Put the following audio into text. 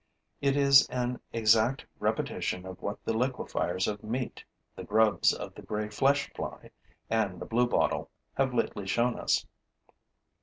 It is an exact repetition of what the liquefiers of meat, the grubs of the grey flesh fly and the bluebottle, have lately shown us.